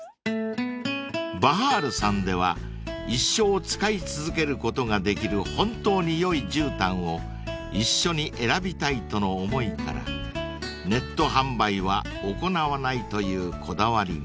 ［ＢＡＨＡＲさんでは一生使い続けることができる本当に良いじゅうたんを一緒に選びたいとの思いからネット販売は行わないというこだわりが］